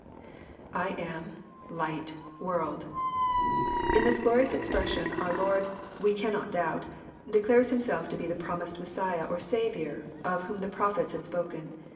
II am...lig?U,,.toorld,'] In this glorious expression, our Lord, we cannot doubt, declares Himself to be the promised Messiah or Saviour, of whom the prophets had spoken.